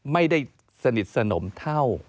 ไม่ได้สนิทสนมเท่า